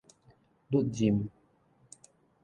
甪任